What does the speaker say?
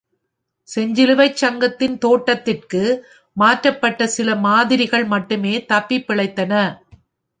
செஞ்சிலுவை சங்கத்தின் தோட்டத்திற்கு மாற்றப்பட்ட சில மாதிரிகள் மட்டுமே தப்பிப்பிழைத்தன.